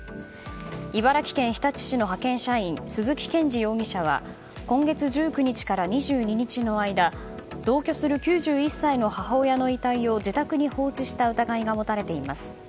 茨城県日立市の派遣社員鈴木健二容疑者は今月１９日から２２日の間同居する９１歳の母親の遺体を自宅に放置した疑いが持たれています。